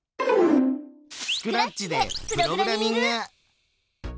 スクラッチでプログラミング！